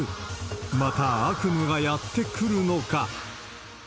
また悪夢がやって来るのか。